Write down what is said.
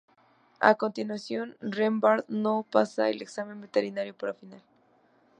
A continuación Rembrandt no pasa el examen veterinario para la Final.